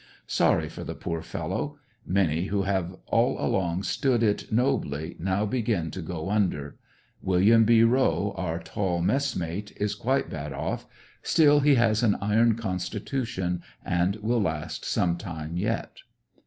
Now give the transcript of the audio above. Sorry for the poor fellow. Many who have all along stood it nobly now begin to go under Wm. B Rowe, our tall mess mate, is quite bad off, still, he has an iron constitution a^^d will last some time yet.